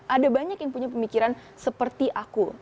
ada banyak yang punya pemikiran seperti aku